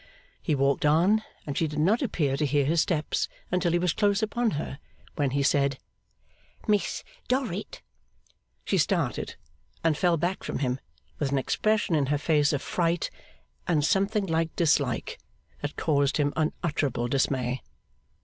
He walked on, and she did not appear to hear his steps until he was close upon her. When he said 'Miss Dorrit!' she started and fell back from him, with an expression in her face of fright and something like dislike that caused him unutterable dismay.